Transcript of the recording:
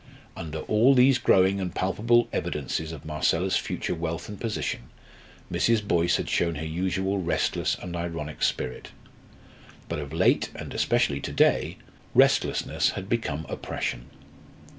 Under all these growing and palpable evidences of Marcella's future wealth and position, Mrs. Boyce had shown her usual restless and ironic spirit. But of late, and especially to day, restlessness had become oppression.